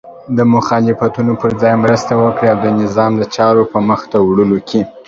د مخالفتونو په ځای مرسته وکړئ او د نظام د چارو په مخته وړلو